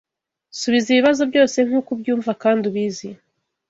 Subiza ibibazo byose nkuko ubyumva kandi ubizi